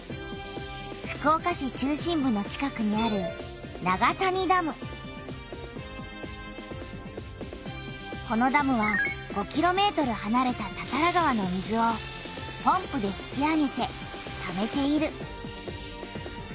福岡市中心部の近くにあるこのダムは５キロメートルはなれた多々良川の水をポンプで引き上げてためている。